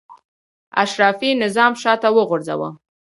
اشرافي نظام شاته وغورځاوه.